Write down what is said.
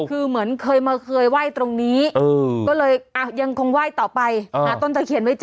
คือเหมือนเคยมาเคยไหว้ตรงนี้ก็เลยยังคงไหว้ต่อไปหาต้นตะเคียนไม่เจอ